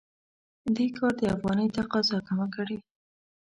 دې کار د افغانۍ تقاضا کمه کړې.